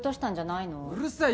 「うるさい！